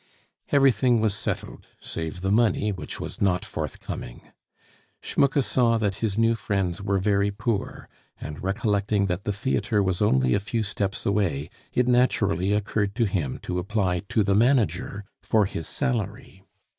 Everything was settled save the money, which was not forthcoming. Schmucke saw that his new friends were very poor, and recollecting that the theatre was only a few steps away, it naturally occurred to him to apply to the manager for his salary.